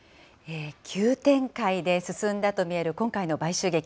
急展開で進んだと見える今回の買収劇。